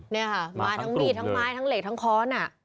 นี่ค่ะมาทั้งมีดทั้งไม้ทั้งเหล็กทั้งค้อน